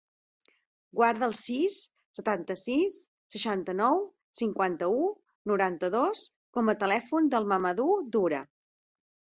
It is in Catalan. Guarda el sis, setanta-sis, seixanta-nou, cinquanta-u, noranta-dos com a telèfon del Mahamadou Dura.